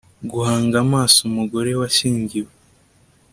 guhanga amaso umugore washyingiwe